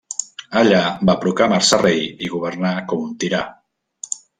Allà va proclamar-se rei i governà com un tirà.